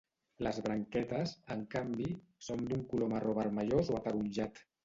Les branquetes, en canvi, són d'un color marró-vermellós o ataronjat.